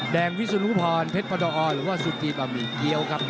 วิสุนุพรเพชรประดอหรือว่าสุกีบะหมี่เกี้ยวครับ